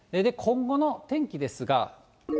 今後の天気ですが。